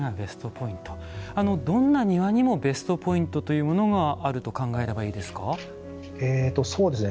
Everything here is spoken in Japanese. どんな庭にもベストポイントというものがあると考えればいいですか。